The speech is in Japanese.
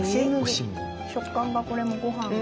食感がこれもごはんが。